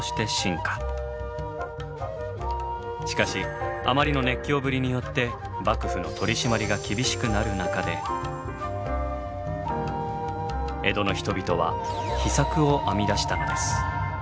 しかしあまりの熱狂ぶりによって幕府の取締りが厳しくなる中で江戸の人々は秘策を編み出したのです。